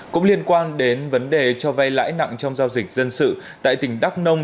cũng liên quan đến vấn đề cho vay lãi nặng trong giao dịch dân sự tại tỉnh đắk nông